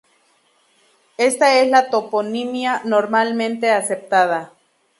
Esta es la toponimia normalmente aceptada.